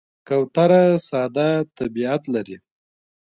کوتره ساده طبیعت لري.